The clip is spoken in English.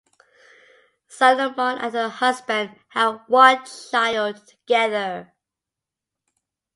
Salomon and her husband have one child together.